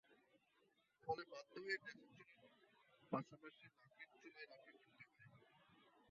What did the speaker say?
ফলে বাধ্য হয়ে গ্যাসের চুলার পাশাপাশি লাকড়ির চুলায় রান্না করতে হয়।